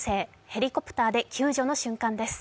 ヘリコプターで救助の瞬間です。